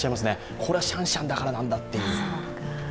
これはシャンシャンだからだという。